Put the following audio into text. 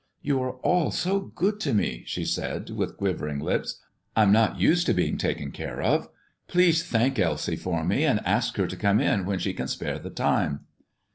"You are all so good to me!" she said, with quivering lips. "I'm not used to being taken care of. Please thank Elsie for me, and ask her to come in when she can spare the time."